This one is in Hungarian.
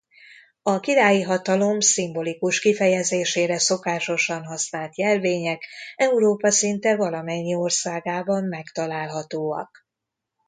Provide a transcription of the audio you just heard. A királyi hatalom szimbolikus kifejezésére szokásosan használt jelvények Európa szinte valamennyi országában megtalálhatóak.